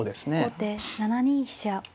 後手７二飛車。